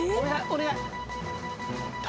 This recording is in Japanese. お願い！